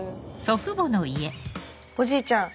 おじいちゃん